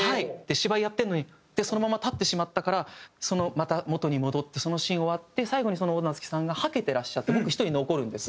芝居やってるのにそのまま立ってしまったからまた元に戻ってそのシーン終わって最後に旺なつきさんがはけてらっしゃって僕１人残るんです。